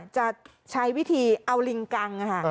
จะใช้วิธีเอาลิงกัง